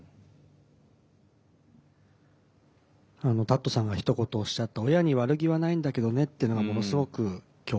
たっとさんがひと言おっしゃった親に悪気はないんだけどねっていうのがものすごく共感しました。